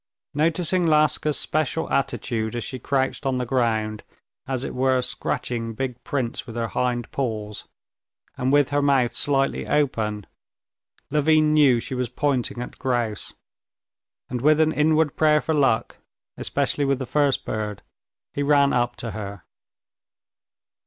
Noticing Laska's special attitude as she crouched on the ground, as it were, scratching big prints with her hind paws, and with her mouth slightly open, Levin knew she was pointing at grouse, and with an inward prayer for luck, especially with the first bird, he ran up to her.